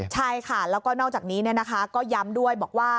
ใช่ค่ะแล้วก็นอกจากนี้ก็ย้ำด้วยบอกว่า